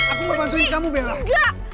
aku mau bantuin kamu belain